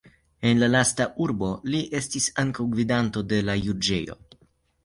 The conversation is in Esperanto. En la lasta urbo li estis ankaŭ gvidanto de la juĝejo.